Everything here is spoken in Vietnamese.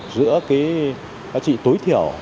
giữa cái tối thiểu